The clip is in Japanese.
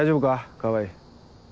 川合。